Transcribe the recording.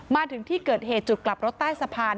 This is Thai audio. มาถึงที่เกิดเหตุจุดกลับรถใต้สะพาน